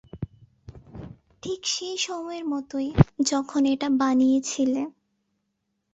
ঠিক সেই সময়ের মতোই, যখন এটা বানিয়েছিলে।